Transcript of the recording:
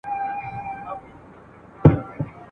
سفر تجربه زیاتوي.